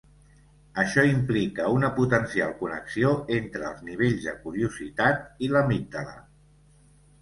Això implica una potencial connexió entre els nivells de curiositat i l'amígdala.